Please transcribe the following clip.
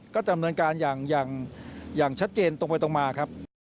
ก็ดำเนินการอย่างชัดเจนตรงไปตรงมาครับ